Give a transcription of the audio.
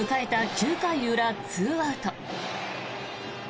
９回裏２アウト。